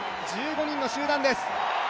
１５人の集団です。